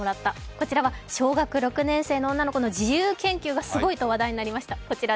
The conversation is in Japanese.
こちらは小学６年生の女の子の自由研究がすごいと話題になりました。